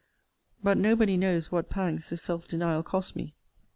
But nobody knows what pangs this self denial cost me!